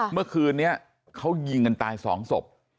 เมื่อคืนนี้เขายิงกันตาย๒ศพ